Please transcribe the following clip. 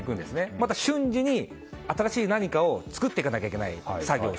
また、瞬時に新しい何かを作っていかなきゃいけない。